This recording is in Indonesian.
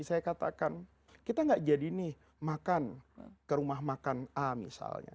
saya katakan kita gak jadi nih makan ke rumah makan a misalnya